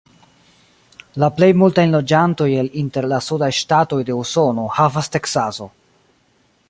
La plej multajn loĝantojn el inter la sudaj ŝtatoj de Usono havas Teksaso.